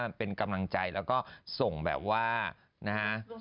มันเป็นกำลังใจแล้วก็ส่งแบบว่านะฮะ